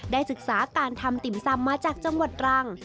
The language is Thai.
ศึกษาการทำติ่มซำมาจากจังหวัดตรัง